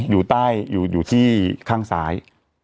อยู่ใต้อยู่ที่ข้างซ้าย